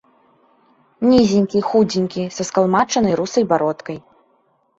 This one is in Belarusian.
Нізенькі, худзенькі, са скалмачанай русай бародкай.